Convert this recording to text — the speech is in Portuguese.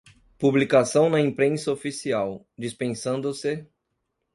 publicação na imprensa oficial, dispensando-se